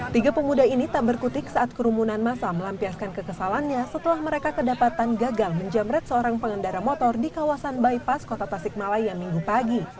tiga pemuda ini tak berkutik saat kerumunan masa melampiaskan kekesalannya setelah mereka kedapatan gagal menjamret seorang pengendara motor di kawasan bypass kota tasikmalaya minggu pagi